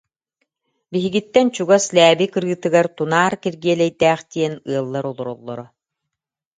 Биһигиттэн чугас Лээби кырыытыгар Тунаар Киргиэлэйдээх диэн ыаллар олороллоро